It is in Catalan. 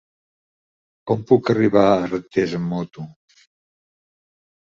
Com puc arribar a Artés amb moto?